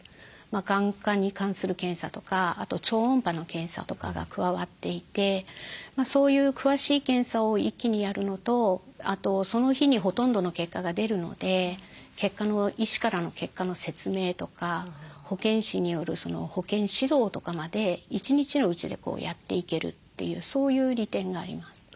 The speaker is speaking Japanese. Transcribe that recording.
眼科に関する検査とかあと超音波の検査とかが加わっていてそういう詳しい検査を一気にやるのとあとその日にほとんどの結果が出るので医師からの結果の説明とか保健師による保健指導とかまで１日のうちでやっていけるというそういう利点があります。